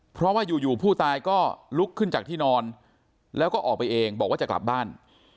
เพราะว่าอยู่ผู้ตายก็ลุกขึ้นจากที่นอนแล้วก็ออกไปเองบอกว่าจะกลับบ้าน